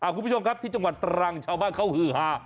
คุณผู้ชมครับที่จังหวัดตรังชาวบ้านเขาฮือฮา